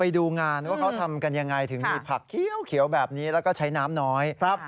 ไปดูงานว่าเขาทำกันยังไงถึงมีผักเขียวแบบนี้แล้วก็ใช้น้ำน้อย